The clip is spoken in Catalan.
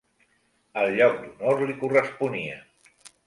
El lloc d'honor li corresponia